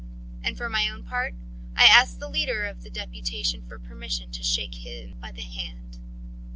And for my own part I ask the leader of the deputation for permission to shake him by the hand."